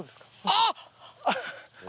あっ！